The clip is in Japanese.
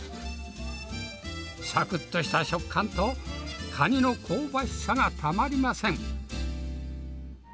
サクっとした食感とカニの香ばしさがたまりません。